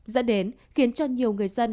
dẫn đến khiến cho nhiều người dân